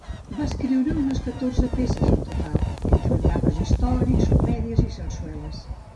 Va escriure unes catorze peces en total, entre drames històrics, comèdies i sarsueles.